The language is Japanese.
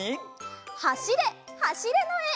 「はしれはしれ」のえ。